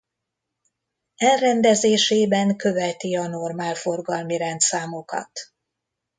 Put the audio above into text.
Elrendezésében követi a normál forgalmi rendszámokat.